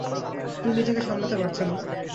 তিনি নিজেকে সামলাতে পারছেন না।